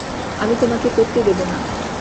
আমি তোমাকে করতে দেব না!